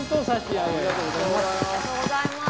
ありがとうございます。